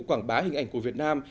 quảng bá hình ảnh của việt nam